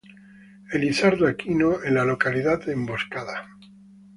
Elizardo Aquino, en la localidad de Emboscada.